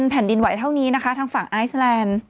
แผ่นดินไหวเท่านี้นะคะทางฝั่งไอซแลนด์